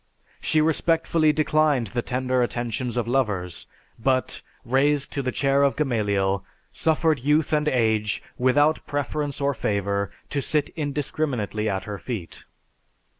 She respectfully declined the tender attentions of lovers, but, raised to the chair of Gamaliel, suffered youth and age, without preference or favor, to sit indiscriminately at her feet.